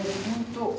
本当。